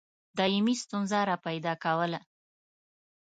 دایمي ستونزه را پیدا کوله.